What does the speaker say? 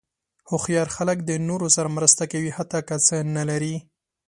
هوښیار خلک د نورو سره مرسته کوي، حتی که څه نه لري.